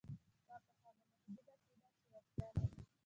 دا په هغه محدوده کې ده چې وړتیا لري.